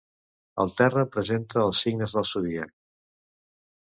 El terra presenta els signes del zodíac.